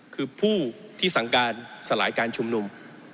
คือผู้ที่สั่งการสลายการชุมนุม